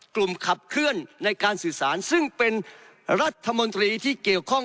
ขับเคลื่อนในการสื่อสารซึ่งเป็นรัฐมนตรีที่เกี่ยวข้อง